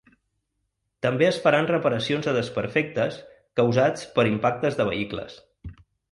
També es faran reparacions de desperfectes causats per impactes de vehicles.